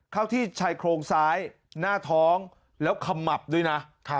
เข้าที่ชายโครงซ้ายหน้าท้องแล้วขมับด้วยนะ